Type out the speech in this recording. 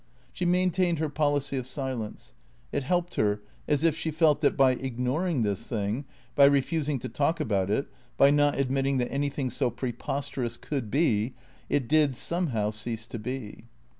She maintained her policy of silence. It helped her, as if she felt that, by ignoring this thing, by refusing to talk about it, by not admitting that anything so preposterous could be, it did somehow cease to be.